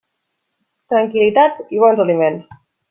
Tranquil·litat i bons aliments.